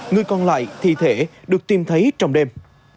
người còn lại thi thể được tìm thấy trong đêm